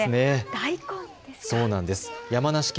大根ですか。